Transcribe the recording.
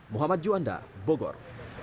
muhammad juanda bogor